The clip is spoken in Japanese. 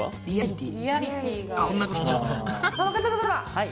はい。